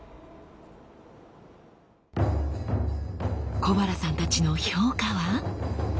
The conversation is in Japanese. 小原さんたちの評価は？